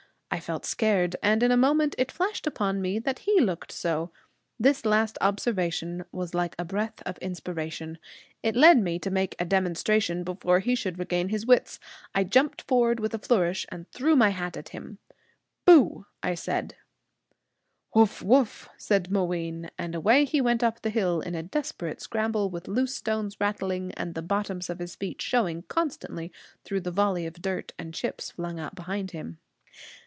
I felt scared; and in a moment it flashed upon me that he looked so. This last observation was like a breath of inspiration. It led me to make a demonstration before he should regain his wits. I jumped forward with a flourish, and threw my hat at him. Boo! said I. Hoof, woof! said Mooween. And away he went up the hill in a desperate scramble, with loose stones rattling, and the bottoms of his feet showing constantly through the volley of dirt and chips flung out behind him.